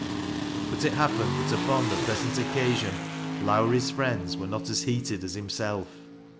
But it happened that upon the present occasion Lowrie's friends were not as heated as himself.